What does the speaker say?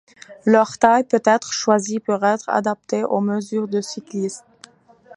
Leur taille peut être choisie pour être adaptée aux mesures du cycliste.